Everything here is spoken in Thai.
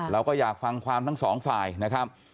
เราก็อยากฟังความทั้งสองฝ่ายนะครับ